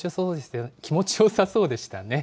気持ちよさそうでしたね。